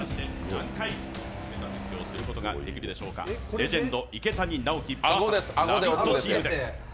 レジェンド池谷直樹ＶＳ「ラヴィット！」チームです。